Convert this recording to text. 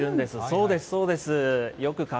そうです、そうです。